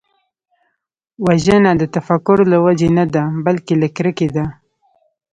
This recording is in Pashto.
وژنه د تفکر له وجې نه ده، بلکې له کرکې ده